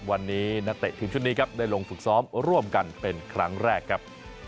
วันนี้นักเตะทีมชุดนี้ครับได้ลงฝึกซ้อมร่วมกันเป็นครั้งแรกครับ